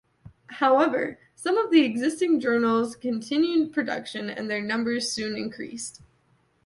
However, some of the existing journals continued production and their numbers soon increased.